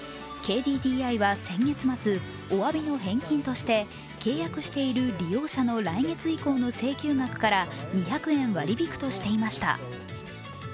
ＫＤＤＩは先月末、お詫びの返金として契約している利用者の来月以降の請求額から２００円割り引くとしていました。